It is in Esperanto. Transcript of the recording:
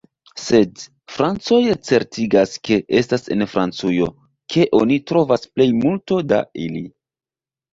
Sed... francoj certigas ke estas en Francujo ke oni trovas plej multo da ili.